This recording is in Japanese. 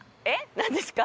何ですか？